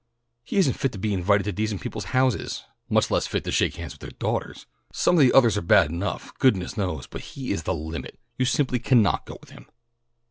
He isn't fit to be invited to decent people's houses, much less fit to shake hands with their daughters. Some of the others are bad enough, goodness knows, but he is the limit. You simply can't go with him."